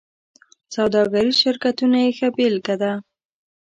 سوداګریز شرکتونه یې ښه بېلګه ده.